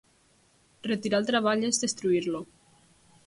Retirar el treball és "destruir-lo".